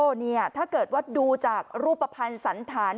โจ้เนี่ยถ้าเกิดว่าดูจากรูปประพันธ์สันฐาน